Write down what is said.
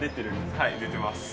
はい出てます。